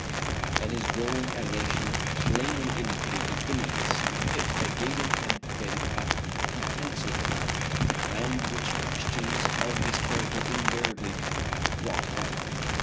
And his growing animation plainly indicated the imminence of the fit that Gaydon had been apprehensive about, and which questions of this character invariably brought on.